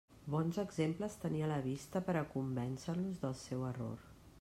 Bons exemples tenia a la vista per a convèncer-los del seu error.